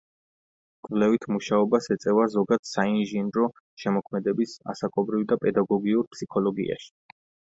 კვლევით მუშაობას ეწევა ზოგად, საინჟინრო, შემოქმედების, ასაკობრივ და პედაგოგიურ ფსიქოლოგიაში.